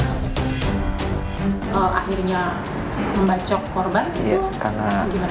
akhirnya membacok korban itu bagaimana